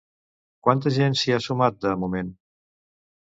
Quanta gent s'hi ha sumat, de moment?